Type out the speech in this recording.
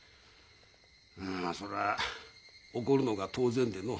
まあそら怒るのが当然での。